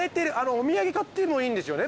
お土産買ってもいいんですよね？